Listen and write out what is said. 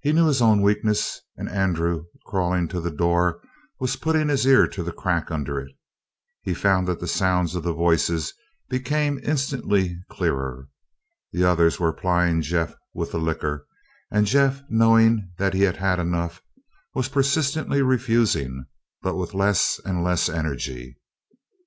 He knew his own weakness, and Andrew, crawling to the door and putting his ear to the crack under it, found that the sounds of the voices became instantly clearer; the others were plying Jeff with the liquor, and Jeff, knowing that he had had enough, was persistently refusing, but with less and less energy.